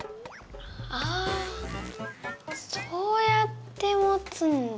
ああそうやってもつんだ。